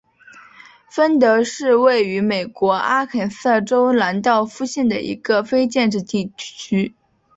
芬德是位于美国阿肯色州兰道夫县的一个非建制地区。